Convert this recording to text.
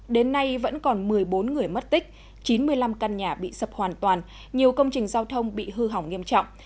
đến nay vẫn còn một mươi bốn người mất tích chín mươi năm căn nhà bị sập hoàn toàn nhiều công trình giao thông bị hư hỏng nghiêm trọng